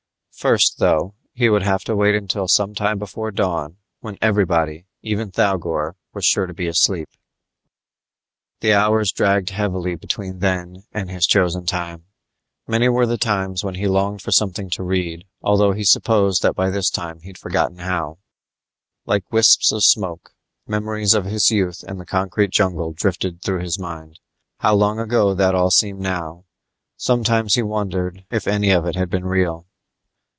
First, though, he would have to wait until sometime before dawn when everybody even Thougor was sure to be asleep. The hours dragged heavily between then and his chosen time. Many were the times when he longed for something to read, although he supposed that by this time he'd forgotten how. Like wisps of smoke, memories of his youth in the concrete jungle drifted through his mind. How long ago that all seemed now. Sometimes he wondered if any of it had been real.